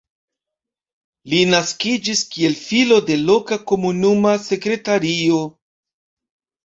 Li naskiĝis kiel filo de loka komunuma sekretario.